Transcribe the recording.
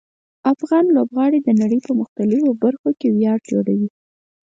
افغان لوبغاړي د نړۍ په مختلفو برخو کې ویاړ جوړوي.